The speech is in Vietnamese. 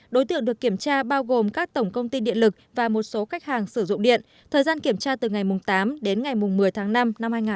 đối tượng được kiểm tra bao gồm các tổng công ty điện lực và một số khách hàng sử dụng điện thời gian kiểm tra từ ngày tám đến ngày một mươi tháng năm năm hai nghìn hai mươi ba